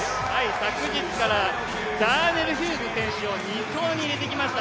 昨日からザーネル・ヒューズ選手を２走に入れてきました。